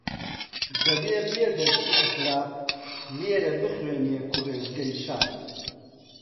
دەبێ بێ دەرسی ئەخلاق لێرە بخوێنێ کوڕیژگەی شار